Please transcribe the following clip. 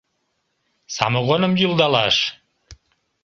Самогоным йӱлдалаш